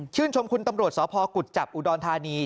ชมคุณตำรวจสพกุจจับอุดรธานี